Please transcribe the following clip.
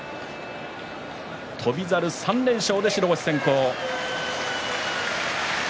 翔猿、３連勝で白星先行。